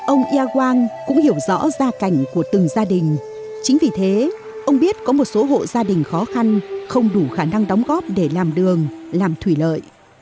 ông đã có một số hộ gia đình khó khăn không đủ khả năng đóng góp để làm đường làm thủy lợi